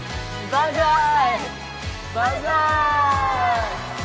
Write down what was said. バンザーイ！